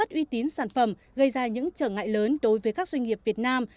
đây gây nguy cơ mất uy tín sản phẩm gây ra những trở ngại lớn đối với các doanh nghiệp việt nam